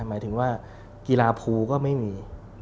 หมายถึงว่ากีฬาภูก็ไม่มี